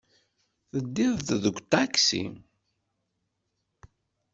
Teddiḍ-d deg uṭaksi?